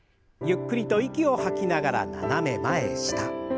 ゆっくりと息を吐きながら斜め前下。